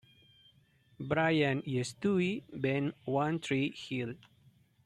Brian y Stewie ven "One Tree Hill".